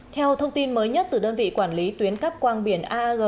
theo thông tin mới nhất từ đơn vị quản lý tuyến các quang biên